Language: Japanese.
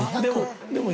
でも。